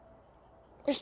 よし。